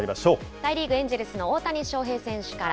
大リーグ・エンジェルスの大谷翔平選手から。